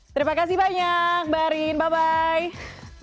terima kasih banyak mbak arin bye bye